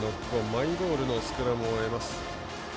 マイボールのスクラムを得ます。